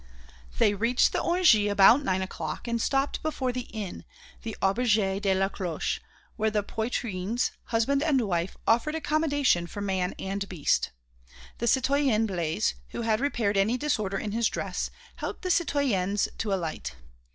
They reached Orangis about nine o'clock and stopped before the inn, the Auberge de la Cloche, where the Poitrines, husband and wife, offered accommodation for man and beast. The citoyen Blaise, who had repaired any disorder in his dress, helped the citoyennes to alight.